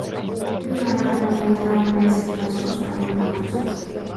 Viimane aeg on leida rahumeelselt üheskoos parimad lahendused!